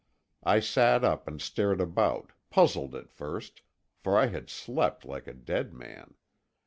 I sat up and stared about, puzzled at first, for I had slept like a dead man.